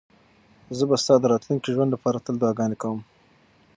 زه به ستا د راتلونکي ژوند لپاره تل دعاګانې کوم.